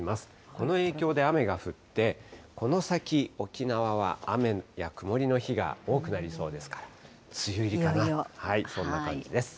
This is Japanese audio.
この影響で雨が降って、この先、沖縄は雨や曇りの日が多くなりそうですから、梅雨入りかなと、そんな感じです。